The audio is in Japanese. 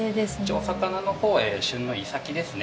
お魚の方は旬のイサキですね。